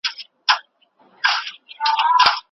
جاله وان ورباندي ږغ کړل ملاجانه